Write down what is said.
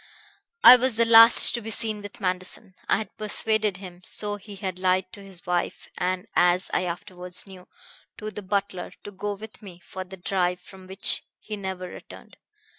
"I was the last to be seen with Manderson. I had persuaded him so he had lied to his wife and, as I afterwards knew, to the butler to go with me for the drive from which he never returned.